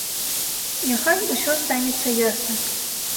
Няхай усё станецца ясным.